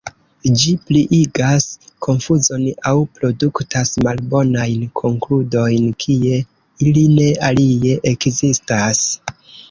Ĝi pliigas konfuzon aŭ produktas malbonajn konkludojn kie ili ne alie ekzistas.